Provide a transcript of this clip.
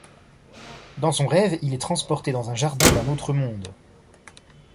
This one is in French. Dans son rêve, il est transporté dans un jardin d'un autre monde.